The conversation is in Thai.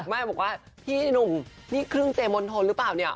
ไม่บอกว่าพี่หนุ่มนี่ครึ่งเจมนทนหรือเปล่าเนี่ย